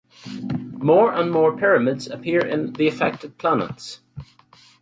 More and more Pyramids appear in the affected planets.